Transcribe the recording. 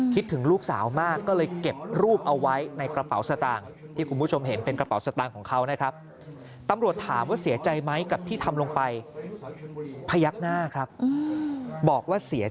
คิดถึงลูกสาวมาก